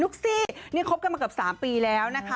นุ๊กซี่เนี่ยคบกันมากับ๓ปีแล้วนะคะ